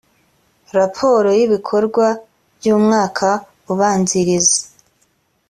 raporo y ibikorwa by umwaka ubanziriza